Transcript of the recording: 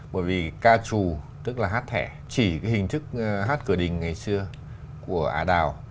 bởi vì ca trù tức là hát thẻ chỉ cái hình thức hát cửa đình ngày xưa của ả đào